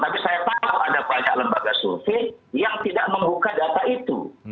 tapi saya tahu ada banyak lembaga survei yang tidak membuka data itu